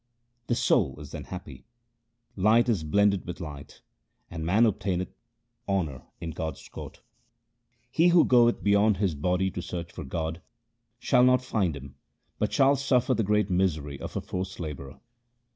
The soul is then happy, light is blended with light, and man obtaineth honour in God's court. He who goeth beyond his body to search for God, Shall not find Him, but shall suffer the great misery of a forced labourer.